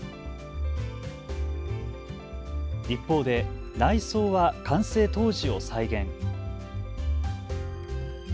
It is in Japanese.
一方で内装は完成当時を再現。